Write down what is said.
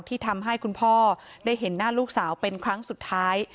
ที่ทำให้คุณพ่อได้เห็นหน้าลูกสาวเป็นครั้งสุดท้าย